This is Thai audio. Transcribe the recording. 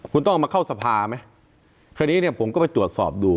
คุณต้องเอามาเข้าสภาไหมคราวนี้เนี่ยผมก็ไปตรวจสอบดู